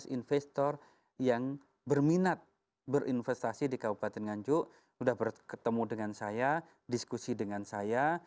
lima belas investor yang berminat berinvestasi di kabupaten nganjuk sudah bertemu dengan saya diskusi dengan saya